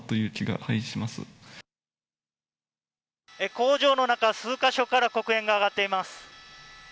工場の中、数カ所から黒煙が上がっています。